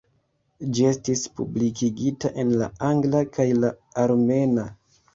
Ĝi estis publikigita en la angla kaj la armena.